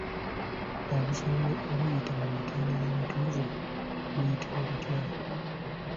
Obufumbo obuyita mu mitendera emituufu buyitibwa butya?